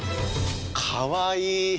かわいい！